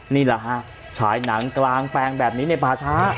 นี่แหละฮะฉายหนังกลางแปลงแบบนี้ในป่าช้า